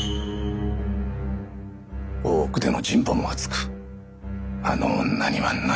大奥での人望も厚くあの女には何も言えぬ。